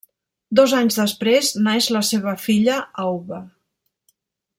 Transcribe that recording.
Dos anys després naix la seua filla Aube.